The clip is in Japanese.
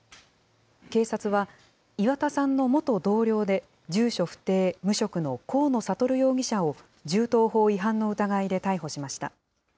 警察は、岩田さんの元同僚で住所不定無職の河野智容疑者を銃刀法違反の疑いで逮捕しました。